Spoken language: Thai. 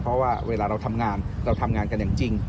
เพราะว่าเวลาเราทำงานเราทำงานกันอย่างจริง